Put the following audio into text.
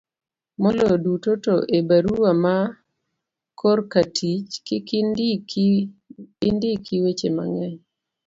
moloyo duto to e barua ma korka tich kik indiki weche mang'eny